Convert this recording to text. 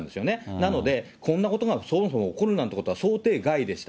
なので、こんなことがそもそも起こるなんてことは想定外でした。